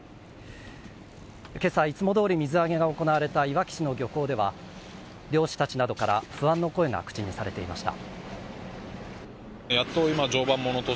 今朝、いつもどおり水揚げが行われたいわき市の漁港では漁師たちなどから不安の声が口にされていました。